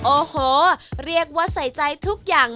โอ้โหเรียกว่าใส่ใจทุกอย่าง